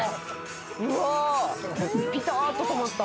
うわピタッと止まった。